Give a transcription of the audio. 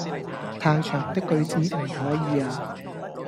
太長的句子唔可以呀